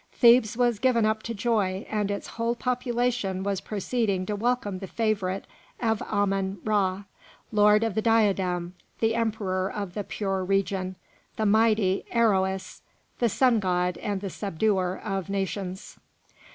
Thebes was given up to joy, and its whole population was proceeding to welcome the favourite of Ammon Ra, Lord of the Diadem, the Emperor of the Pure Region, the mighty Aroëris, the Sun God and the Subduer of Nations.